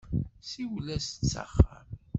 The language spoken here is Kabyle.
Siwel-as-d s axxam.